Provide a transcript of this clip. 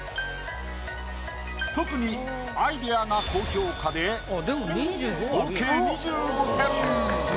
特にアイデアが高評価で合計２５点。